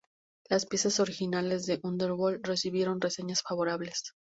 Las piezas originales de Underworld recibieron reseñas favorables.